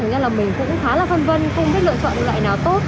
thực ra là mình cũng khá là vân vân không biết lựa chọn loại nào tốt